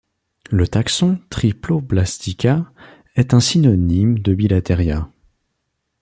Le taxon Triploblastica est un synonyme de Bilateria.